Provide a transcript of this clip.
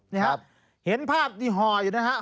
นี่ครับเห็นภาพที่ห่ออยู่นะครับ